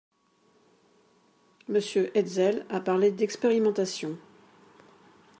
Monsieur Hetzel a parlé d’expérimentation.